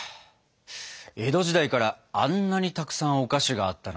江戸時代からあんなにたくさんお菓子があったなんて知りませんでした。